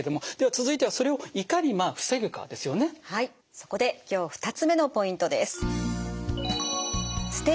そこで今日２つ目のポイントです。